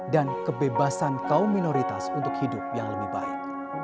dan kebebasan kaum minoritas untuk hidup yang lebih baik